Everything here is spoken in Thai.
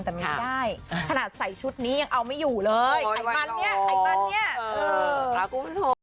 แต่ไม่ได้ขนาดใส่ชุดนี้ยังเอาไม่อยู่เลยไขมันเนี่ยไขมันเนี่ยคุณผู้ชม